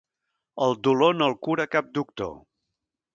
El dolor no el cura cap doctor.